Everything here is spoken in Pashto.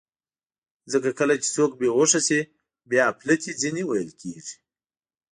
ځکه کله چې څوک بېهوښه شي، بیا اپلتې ځینې ویل کېږي.